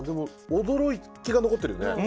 驚きが残ってるよね。